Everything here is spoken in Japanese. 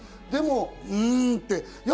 でも、うんって。